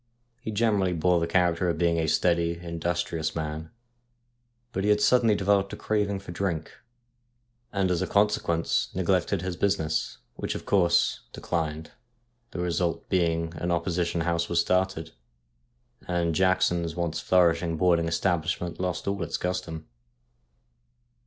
He generally bore the character of being a steady, industrious man, but he suddenly developed a craving for drink, and as a consequence neglected his business, which, of course, declined, the result being an opposition house was started, and Jackson's once flourishing boarding establishment lost all its custom.